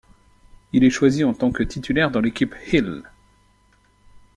Il est choisi en tant que titulaire dans l'équipe Hill.